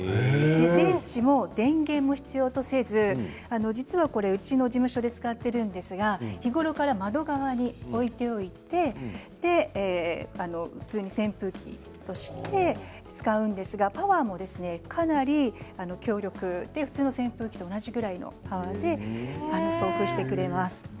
電池も電源も必要とせず実は、これ、うちの事務所で使っているんですが日頃から窓側に置いておいて普通に扇風機として使うんですがパワーもかなり強力で普通の扇風機と同じぐらいのパワーで送風してくれます。